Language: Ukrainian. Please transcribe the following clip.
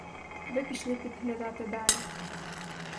Ви пішли підглядати далі.